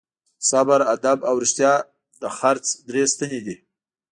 صبر، ادب او رښتیا د خرڅ درې ستنې دي.